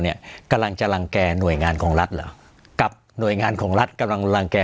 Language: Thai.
เนี่ยกำลังจะลังแก่หน่วยงานของรัฐเหรอกับหน่วยงานของรัฐกำลังรังแก่